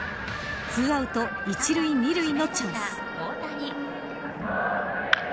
２アウト１塁２塁のチャンス。